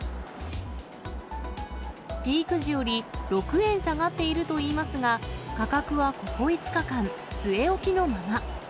ピーク時より６円下がっているといいますが、価格はここ５日間、据え置きのまま。